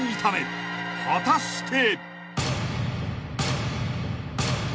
［果たして？］